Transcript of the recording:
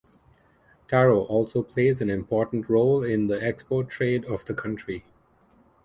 Taro also plays an important role in the export trade of the country.